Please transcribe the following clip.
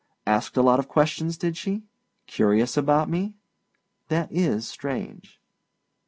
Asked a lot of questions, did she? Curious about me? That is strange.